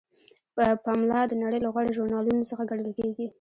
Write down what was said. پملا د نړۍ له غوره ژورنالونو څخه ګڼل کیږي.